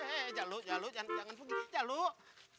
aduh jaluh jaluh jangan pergi jaluh